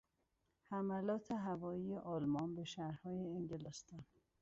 حملات هوایی آلمان به شهرهای انگلستان